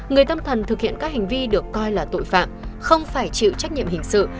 người tâm thần thực hiện các hành vi được coi là tội phạm không phải chịu trách nhiệm hình sự